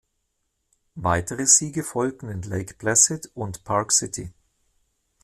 Weitere Siege folgten in Lake Placid und Park City.